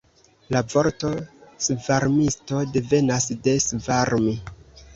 La vorto svarmisto devenas de svarmi.